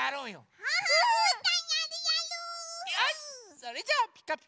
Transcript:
それじゃあ「ピカピカブ！」。